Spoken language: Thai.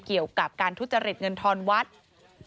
เกี่ยวกับการทุจริตเงินทอนวัด